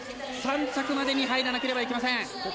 ３着までに入らなければいけません。